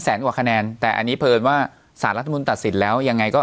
กว่าคะแนนแต่อันนี้เพลินว่าสารรัฐมนุนตัดสินแล้วยังไงก็